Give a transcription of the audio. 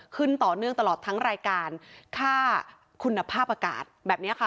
ขึ้นต่อเนื่องตลอดทั้งรายการค่าคุณภาพอากาศแบบนี้ค่ะ